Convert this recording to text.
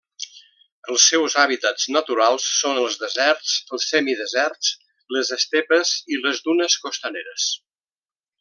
Els seus hàbitats naturals són els deserts, els semideserts, les estepes i les dunes costaneres.